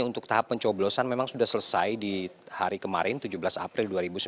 untuk tahap pencoblosan memang sudah selesai di hari kemarin tujuh belas april dua ribu sembilan belas